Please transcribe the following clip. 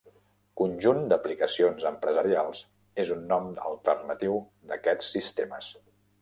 "Conjunt d'aplicacions empresarials" és un nom alternatiu d'aquests sistemes.